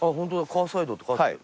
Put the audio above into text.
「カーサイド」って書いてある。